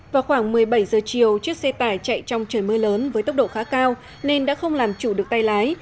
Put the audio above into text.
vào khoảng một mươi bảy giờ chiều chiếc xe tải chạy trong trời mưa lớn với tốc độ khá cao nên đã không làm chủ được tay lái